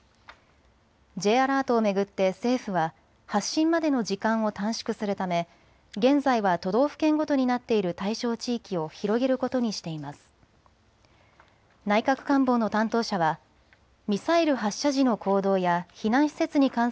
Ｊアラートを巡って政府は発信までの時間を短縮するため現在は都道府県ごとになっている対象地域を広げることにしています。